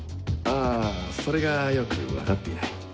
あそれがよく分かっていない。